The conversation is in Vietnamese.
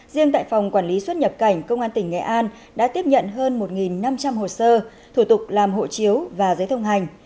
riêng tại phòng quản lý xuất nhập cảnh công an tỉnh nghệ an đã tiếp nhận hơn một năm trăm linh hồ sơ thủ tục làm hộ chiếu và giấy thông hành